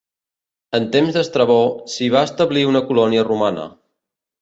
En temps d'Estrabó, s'hi va establir una colònia romana.